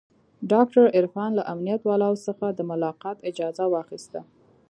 ډاکتر عرفان له امنيت والاو څخه د ملاقات اجازه واخيسته.